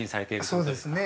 ◆そうですね。